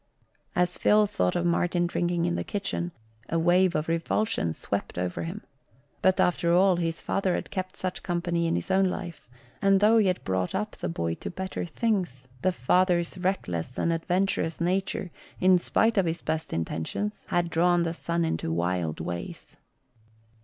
As Phil thought of Martin drinking in the kitchen, a wave of revulsion swept over him; but after all, his father had kept such company in his own life, and though he had brought up the boy to better things, the father's reckless and adventurous nature, in spite of his best intentions, had drawn the son into wild ways.